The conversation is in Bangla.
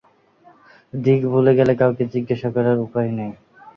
দিক ভুলে গেলে কাউকে জিজ্ঞাসা করার উপায় নেই।